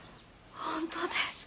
本当ですか。